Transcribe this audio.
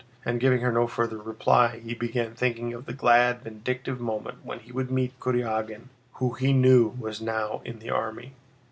And giving her no further reply, he began thinking of the glad vindictive moment when he would meet Kurágin who he knew was now in the army.